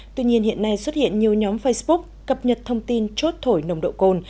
tuy nhiên hiện nay xuất hiện nhiều nhóm facebook cập nhật thông tin chốt thổi nồng độ cồn